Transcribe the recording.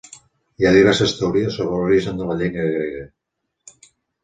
Hi ha diverses teories sobre l'origen de la llengua grega.